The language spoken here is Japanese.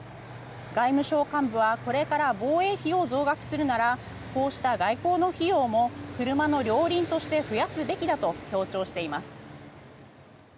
外務省幹部はこれから防衛費を増額するならこうした外交の費用も車の両輪として増やすべきだと強調しています。